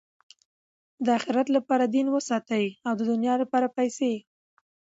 د آخرت له پاره دین وساتئ! او د دؤنیا له پاره پېسې.